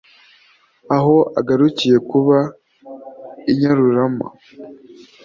aho agarukiye kuba i Nyarurama